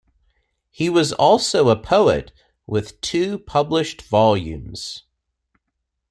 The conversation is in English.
He was also a poet with two published volumes.